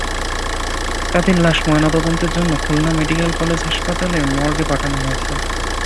তাঁদের লাশ ময়নাতদন্তের জন্য খুলনা মেডিকেল কলেজ হাসপাতালের মর্গে পাঠানো হয়েছে।